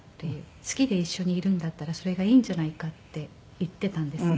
「好きで一緒にいるんだったらそれがいいんじゃないか」って言っていたんですね。